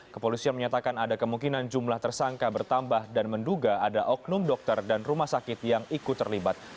kepolisian menyatakan ada kemungkinan jumlah tersangka bertambah dan menduga ada oknum dokter dan rumah sakit yang ikut terlibat